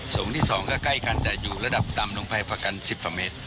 สูงที่๒ก็ใกล้กันแต่อยู่ระดับต่ำลงไปประกัน๑๐กว่าเมตร